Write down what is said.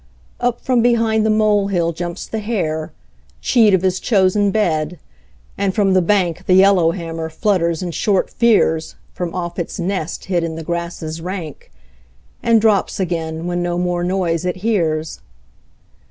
Up from behind the molehill jumps the hare, Cheat of his chosen bed, and from the bank The yellowhammer flutters in short fears From off its nest hid in the grasses rank, And drops again when no more noise it hears.